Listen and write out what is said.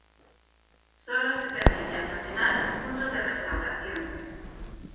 Solo se permite almacenar un punto de restauración.